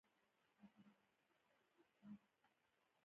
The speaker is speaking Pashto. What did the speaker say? که موږ یې وساتو، راتلونکی مو روښانه دی.